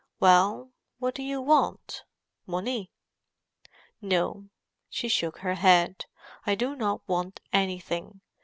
"Well—what do you want? Money?" "No." She shook her head. "I do not want anything.